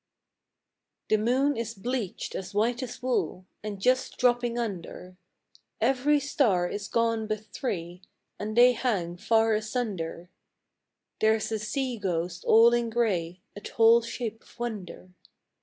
HTHE moon is bleached as white as wool, And just dropping under; Every star is gone but three, And they hang far asunder, — There's a sea ghost all in gray, A tall shape of wonder!